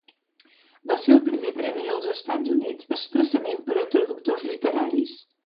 Va ser el primer premi als Estats Units expressament per a traductors literaris.